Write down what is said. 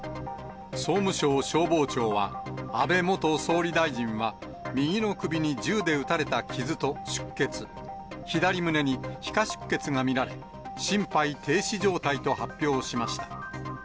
総務省消防庁は、安倍元総理大臣は右の首に銃で撃たれた傷と出血、左胸に皮下出血が見られ、心肺停止状態と発表しました。